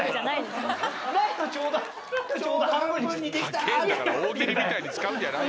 高ぇんだから大喜利みたいに使うんじゃないよ。